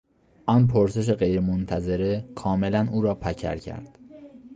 آن پرسش غیرمنتظره کاملا او را پکر کرد.